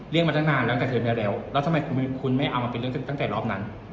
เรียกมาตั้งนานแล้วตั้งแต่เทอมแล้วแล้วแล้วทำไมคุณคุณไม่เอามาเป็นเรื่องตั้งแต่รอบนั้น